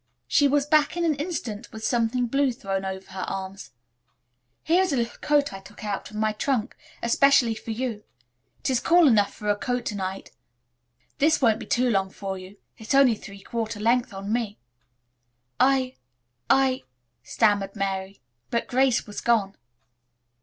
She was back in an instant with something blue thrown over her arm. "Here is a little coat I took out of my trunk especially for you. It is cool enough for a coat to night. This won't be too long for you. It's only three quarter length on me." "I I " stammered Mary, but Grace was gone.